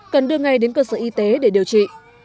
cần đưa ngay đến cơ sở y tế để điều trị